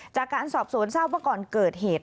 จากการสอบสวนทราบว่าก่อนเกิดเหตุ